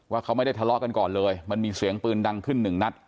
เขาไม่ได้ทะเลาะกันก่อนเลยมันมีเสียงปืนดังขึ้นหนึ่งนัด